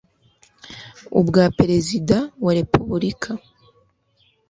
ubwa perezida wa repubulika